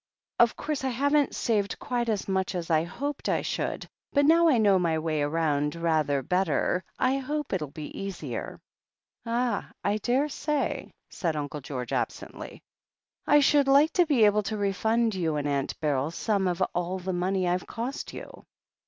Of course I haven't saved quite as much as I hoped I should, but now I know my way about rather better I hope it'll be easier." "Ah, I daresay," said Uncle George absently. "I should like to be able to refund you and Aunt Beryl some of all the money Tve cost you."